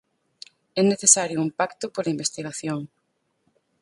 É necesario un pacto pola investigación.